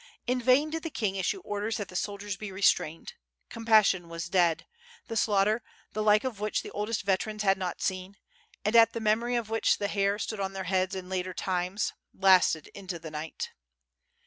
In vain did the king issue orders that the soldiers be restrained. Compassion was dead; the slaughter, the like of which the oldest veterans had not seen, and at the memory of which the hair stood on their heads in later times, lasted until night.